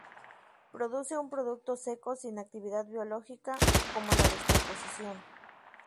Produce un producto seco sin actividad biológica como la descomposición.